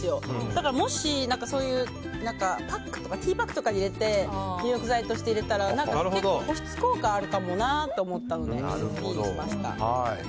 だからもしティーパックとかに入れて入浴剤として入れたら保湿効果があるかもなと思ったのでＢにしました。